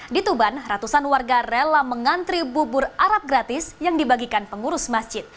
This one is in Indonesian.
di tuban ratusan warga rela mengantri bubur arab gratis yang dibagikan pengurus masjid